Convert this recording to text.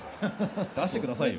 出してくださいよ。